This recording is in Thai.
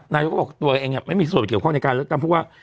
นายกก็บอกตัวเองไม่มีส่วนเกี่ยวข้องในการเลือกตั้งเพราะว่า